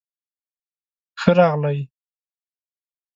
ښۀ راغلئ